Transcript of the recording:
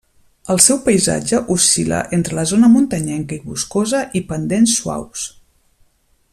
El seu paisatge oscil·la entre zona muntanyenca i boscosa i pendents suaus.